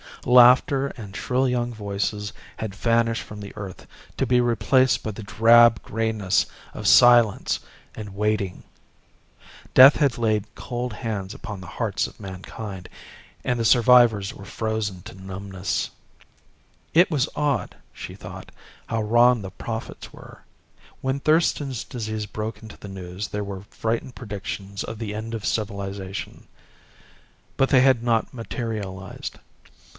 Laughter and shrill young voices had vanished from the earth to be replaced by the drab grayness of silence and waiting. Death had laid cold hands upon the hearts of mankind and the survivors were frozen to numbness. It was odd, she thought, how wrong the prophets were. When Thurston's Disease broke into the news there were frightened predictions of the end of civilization. But they had not materialized.